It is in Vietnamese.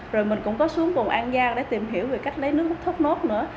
rồi mình cũng có xuống vùng an giang để tìm hiểu về cách lấy nước thốt nốt nữa